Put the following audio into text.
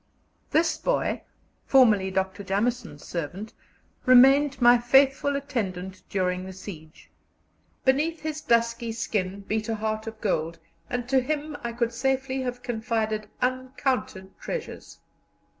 This boy, formerly Dr. Jameson's servant, remained my faithful attendant during the siege; beneath his dusky skin beat a heart of gold, and to him I could safely have confided uncounted treasures.